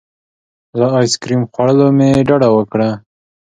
له ایس کریم خوړلو مې ډډه وکړه.